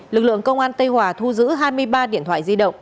lực lượng công an tây hòa thu giữ hai mươi ba điện thoại di động